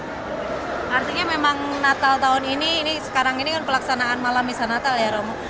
artinya memang natal tahun ini ini sekarang ini kan pelaksanaan malam misa natal ya romo